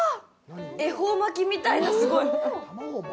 恵方巻きみたいな、すごい！